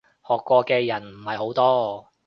學過嘅人唔係好多